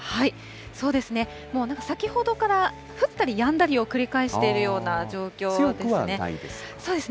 そうですね、もうなんか先ほどから、降ったりやんだりを繰り強くはないですか。